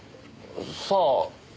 さあ？